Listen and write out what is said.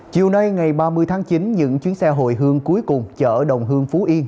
chiều nay ngày ba mươi tháng chín những chuyến xe hồi hương cuối cùng chợ đồng hương phú yên